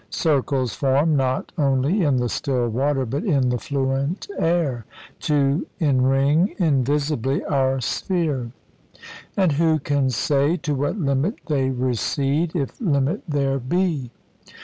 Circles; form, not only in the still water, but in the fluent air, to enring invisibly our sphere. And who can say to what limit they recede, if limit there be?